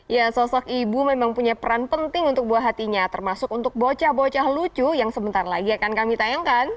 ya sosok ibu memang punya peran penting untuk buah hatinya termasuk untuk bocah bocah lucu yang sebentar lagi akan kami tayangkan